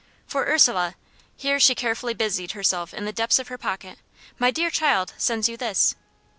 For Ursula " here she carefully busied herself in the depths of her pocket "my dear child sends you this."